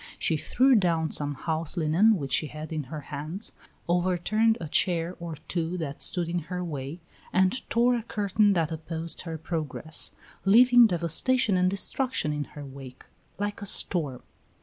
She threw down some house linen which she had in her hands, overturned a chair or two that stood in her way, and tore a curtain that opposed her progress, leaving devastation and destruction in her wake, like a storm.